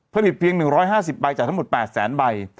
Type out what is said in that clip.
ผลิตเพียง๑๕๐ใบจากทั้งหมด๘แสนใบ